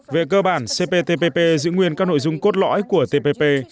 về cơ bản cptpp giữ nguyên các nội dung cốt lõi của tpp